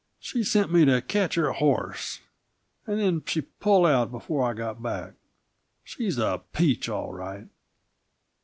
She sent me to catch her horse, and then she pulled out before I got back. She's a peach, all right!"